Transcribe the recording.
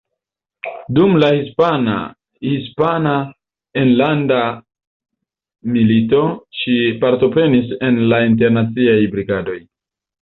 Dum la hispana Hispana Enlanda Milito ŝi partoprenis en la Internaciaj Brigadoj.